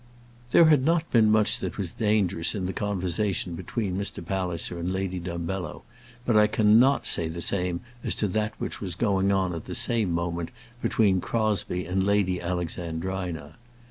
There had not been much that was dangerous in the conversation between Mr. Palliser and Lady Dumbello, but I cannot say the same as to that which was going on at the same moment between Crosbie and Lady Alexandrina.